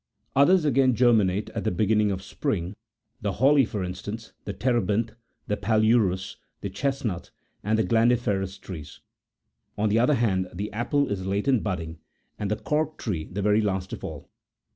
Others, again, germinate at the beginning of spring, the holly, for instance, the terebinth, the paliurus,82* the chesnut, and the glandiferous trees. On the other hand, the apple is late in budding, and the cork tree the very last of all.